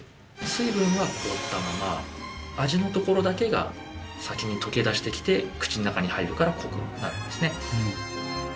水分が凍ったまま味のところだけが先に溶けだしてきて口の中に入るから濃くなるんですね